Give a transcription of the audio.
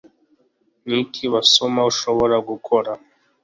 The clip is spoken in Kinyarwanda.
Niki Basoma ushobora gukora